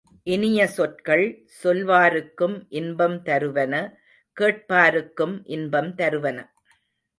இனிய சொற்கள் சொல்வாருக்கும் இன்பம் தருவன கேட்பாருக்கும் இன்பம் தருவன.